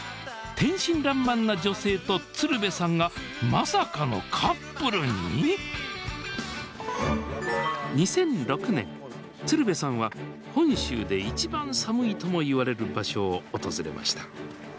天真らんまんな女性と鶴瓶さんがまさかのカップルに⁉２００６年鶴瓶さんは本州で一番寒いともいわれる場所を訪れました。